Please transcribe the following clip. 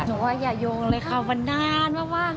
หนูว่าอย่าโยงเลยค่ะมันนานมาก